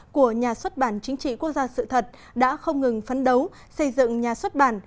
của nhà xuất bản chính trị quốc gia sự thật đã không ngừng phấn đấu xây dựng nhà xuất bản